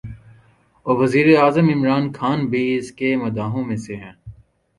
اور وزیراعظم عمران خان بھی اس کے مداحوں میں سے ہیں